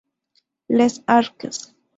Les Arques